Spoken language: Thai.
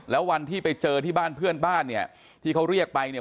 แล้ววันที่ไปเจอที่บ้านเพื่อนบ้านเนี่ยที่เขาเรียกไปเนี่ย